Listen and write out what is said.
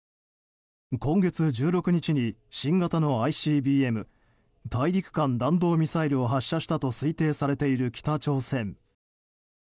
今月１６日に新型のＩＣＢＭ・大陸間弾道ミサイルを発射したと推定されている北朝鮮。